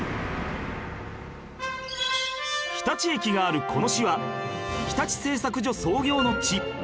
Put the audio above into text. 日立駅があるこの市は日立製作所創業の地